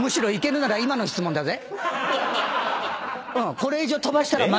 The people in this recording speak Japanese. これ以上飛ばしたらまずいよ。